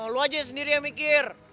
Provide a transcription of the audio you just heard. lo aja yang sendiri yang mikir